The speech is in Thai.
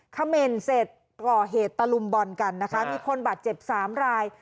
เขม่นเสร็จก่อเหตุตะลุมบอลกันนะคะมีคนบาดเจ็บสามราย